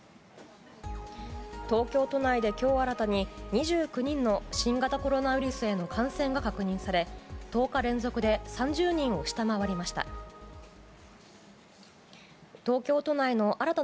東京都内で今日新たに２９人の新型コロナウイルスへの感染が確認され１０日連続で３０人を下回りました。